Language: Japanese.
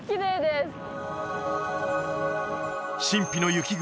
神秘の雪国